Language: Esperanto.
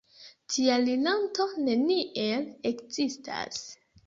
Tia rilato neniel ekzistas!